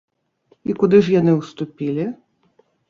І куды ж яны ўступілі?